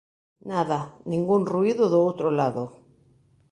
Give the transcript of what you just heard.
Nada, ningún ruído do outro lado.